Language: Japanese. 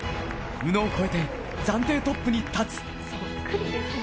宇野を超えて暫定トップに立つ。